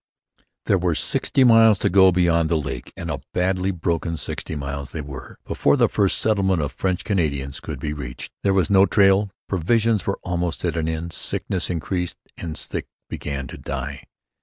There were sixty miles to go beyond the lake, and a badly broken sixty miles they were, before the first settlement of French Canadians could be reached. There was no trail. Provisions were almost at an end. Sickness increased. The sick began to die.